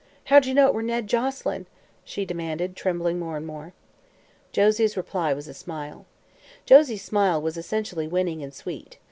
How'd ye know it were Ned Joselyn?" she demanded, trembling more and more. Josie's reply was a smile. Josie's smile was essentially winning and sweet.